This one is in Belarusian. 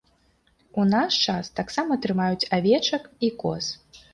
У наш час таксама трымаюць авечак і коз.